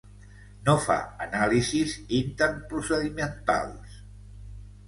No fa anàlisis intern-procedimentals.